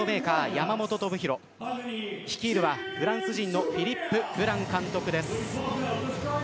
山本智大率いるは、フランス人のフィリップ・ブラン監督です。